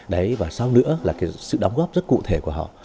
đấy và sau nữa là cái sự đóng góp rất cụ thể của họ